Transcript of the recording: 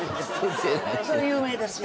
それ有名ですよ。